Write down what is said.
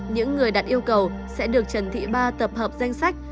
những người đặt yêu cầu sẽ được trần thị ba tập hợp danh sách